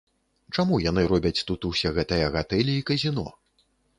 Чаму яны робяць тут усе гэтыя гатэлі і казіно?